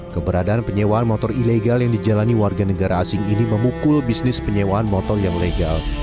keberadaan penyewaan motor ilegal yang dijalani warga negara asing ini memukul bisnis penyewaan motor yang legal